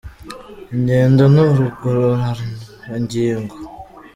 Ingendo ni urugororangingo